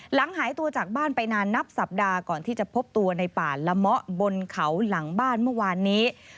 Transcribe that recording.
หายตัวจากบ้านไปนานนับสัปดาห์ก่อนที่จะพบตัวในป่าละเมาะบนเขาหลังบ้านเมื่อวานนี้